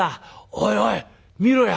「おいおい見ろや。